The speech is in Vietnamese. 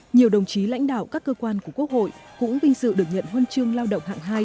nhiều đồng chí lãnh đạo các cơ quan của quốc hội cũng vinh dự được nhận huân chương lao động hạng hai